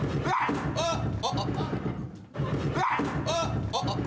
あっ！